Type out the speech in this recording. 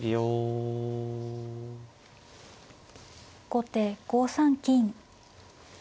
後手５三金。